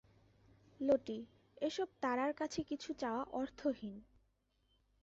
লটি, এসব তারার কাছে কিছু চাওয়া অর্থহীন।